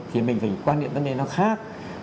thì mình phải quan điểm tâm lý nó khác